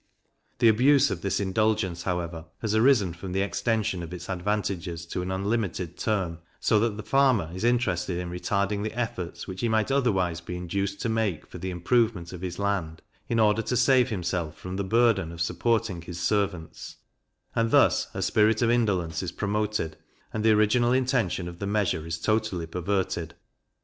The abuse of this indulgence, however, has arisen from the extension of its advantages to an unlimitted term; so that the farmer is interested in retarding the efforts which he might otherwise be induced to make for the improvement of his land, in order to save himself from the burden of supporting his servants; and thus a spirit of indolence is promoted, and the original intention of the measure is totally perverted.